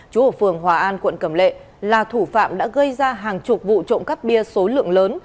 chú ở phường hòa an quận cầm lệ là thủ phạm đã gây ra hàng chục vụ trộm cắp bia số lượng lớn